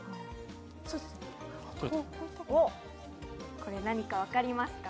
これ、何か分かりますか？